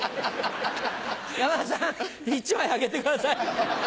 山田さん１枚あげてください。